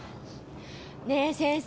ねえ先生。